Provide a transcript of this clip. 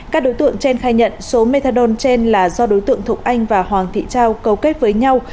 các đối tượng trên khai nhận số methadon trên là do đối tượng thục anh và hoàng thị trao cầu kết với nhau